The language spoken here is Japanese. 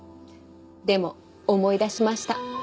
でも思い出しました。